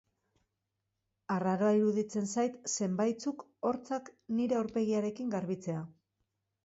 Arraroa iruditzen zait zenbaitzuk hortzak nire aurpegiarekin garbitzea.